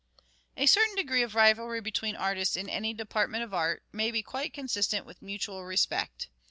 A certain degree of rivalry between artists, in any department of art, may be quite consistent with mutual respect.